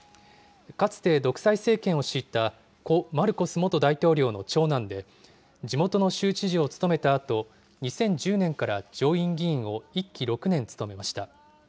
かつて独裁政権を敷いた故・マルコス元大統領の長男で、地元の州知事を務めたあと、２０１０年から上院議員を１期６年務めました。